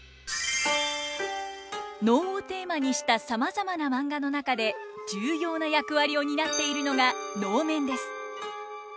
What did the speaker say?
能をテーマにしたさまざまなマンガの中で重要な役割を担っているのが能面です。